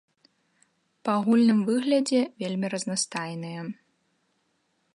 Па агульным выглядзе вельмі разнастайныя.